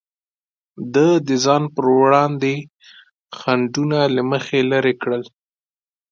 ده د ځان پر وړاندې خنډونه له مخې لرې کړل.